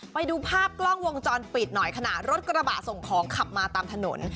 ไปดูภาพกล้องวงจรปิดหน่อยขณะรถกระบะส่งของขับมาตามถนน